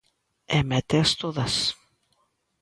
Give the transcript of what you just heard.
E méteas todas.